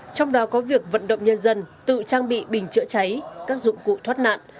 trong đó có việc vận động nhân dân tự trang bị bình chữa cháy các dụng cụ thoát nạn